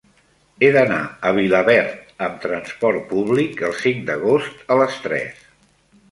He d'anar a Vilaverd amb trasport públic el cinc d'agost a les tres.